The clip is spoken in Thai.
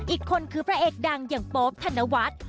อีกคนคือพระเอกดังอย่างโป๊ปธนวัฒน์